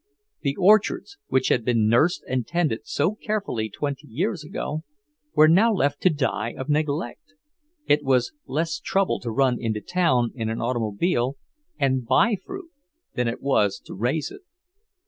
The orchards, which had been nursed and tended so carefully twenty years ago, were now left to die of neglect. It was less trouble to run into town in an automobile and buy fruit than it was to raise it.